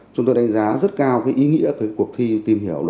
chúng tôi đánh giá rất cao ý nghĩa của cuộc thi tìm hiểu